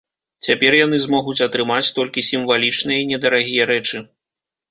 Цяпер яны змогуць атрымаць толькі сімвалічныя і недарагія рэчы.